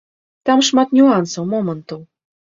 Там шмат нюансаў, момантаў.